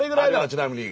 ちなみに。